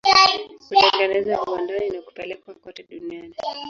Hutengenezwa viwandani na kupelekwa kote duniani.